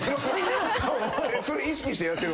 それ意識してやってる？